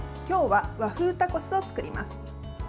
今日は和風タコスを作ります。